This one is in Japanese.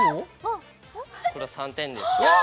これは３点です。